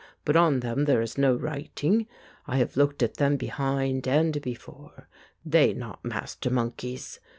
But on them there is no writing; I have looked at them behind and before ; they not master monkeys.